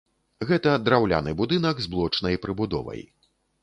Гэта драўляны будынак з блочнай прыбудовай.